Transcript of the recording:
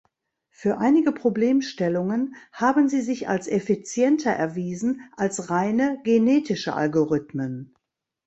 Für einige Problemstellungen haben sie sich als effizienter erwiesen als reine genetische Algorithmen.